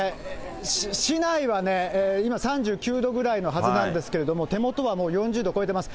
市内はね、今、３９度ぐらいのはずなんですけれども、手元はもう４０度を超えています。